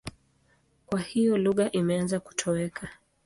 Kwa hiyo lugha imeanza kutoweka.